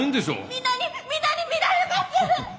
皆に皆に見られます！